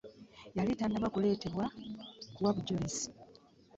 Yali tannaba kuleetebwa kuwa bujulizi.